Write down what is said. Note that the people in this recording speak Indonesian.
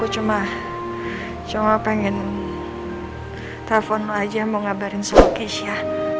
gue cuma pengen telfon lo aja mau ngabarin soal keisha